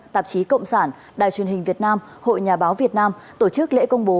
tạp chí cộng sản đài truyền hình việt nam hội nhà báo việt nam tổ chức lễ công bố